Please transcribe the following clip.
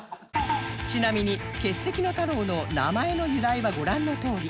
ちなみに欠席の太郎の名前の由来はご覧のとおり